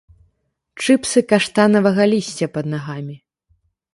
Чыпсы каштанавага лісця пад нагамі?